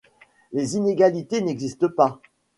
Les inégalités n'existent pas.